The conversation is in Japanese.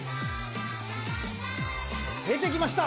出てきました！